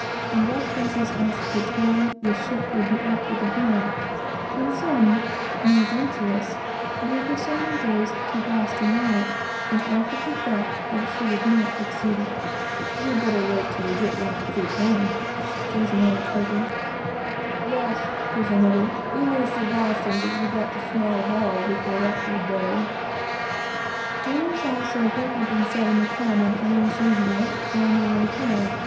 and rough guesses as to the time the ship would be up with the Horn; and some, more venturous, gave her so many days to Boston light, and offered to bet that she would not exceed it. "You'd better wait till you get round Cape Horn," says an old croaker. "Yes," says another, "you may see Boston, but you've got to 'smell hell' before that good day." Rumors also of what had been said in the cabin, as usual, found their way forward.